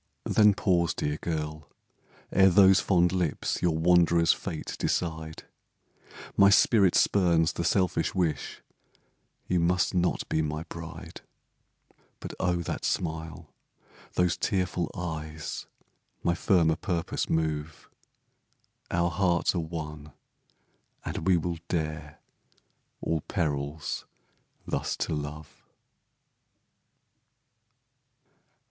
Then pause, dear girl! ere those fond lips Your wanderer's fate decide; My spirit spurns the selfish wish You must not be my bride. But oh, that smile those tearful eyes, My firmer purpose move Our hearts are one, and we will dare All perils thus to love!